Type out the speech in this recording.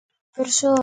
Persoa.